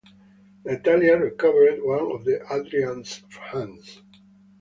Natalia recovered one of Adrian's hands.